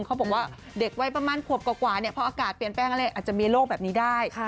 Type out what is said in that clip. เขาบอกว่าเด็กวัยประมาณขวบกว่าพออากาศเปลี่ยนแปลงอะไรอาจจะมีโรคแบบนี้ได้